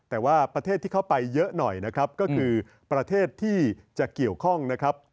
แต่ว่าประเทศที่เข้าไปเยอะหน่อยนะครับก็คือประเทศที่จะเกี่ยวข้องนะครับ